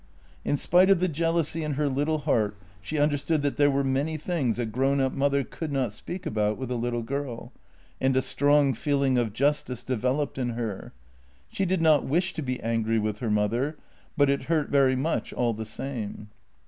In spite of the jealousy in her little heart, she understood that there were many things a grown up mother could not speak about with a little girl, and a strong feeling of justice developed in her. She did not wish to be angry with her mother, but it hurt very much all the same.